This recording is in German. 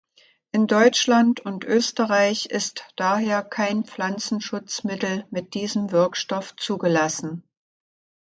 In Deutschland und Österreich ist daher kein Pflanzenschutzmittel mit diesem Wirkstoff zugelassen.